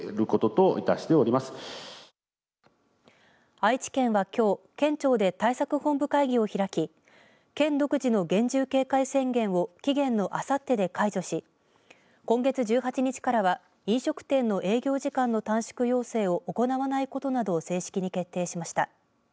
愛知県は、きょう県庁で対策本部会議を開き県独自の厳重警戒宣言を期限のあさってで解除し今月１８日からは飲食店の営業時間の短縮要請を行わないことなどを正式に決定しました。